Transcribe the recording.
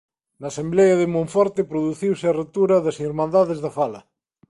Na Asemblea de Monforte produciuse a ruptura das Irmandades da Fala.